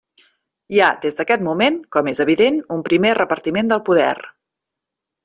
Hi ha, des d'aquest moment, com és evident, un primer repartiment del poder.